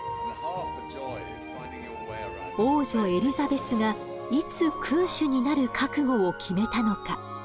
王女エリザベスがいつ君主になる覚悟を決めたのか。